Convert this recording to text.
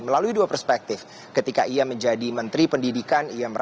melalui dua perspektif ketika ia menjadi menteri pendidikan